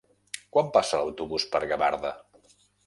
Quan passa l'autobús per Gavarda?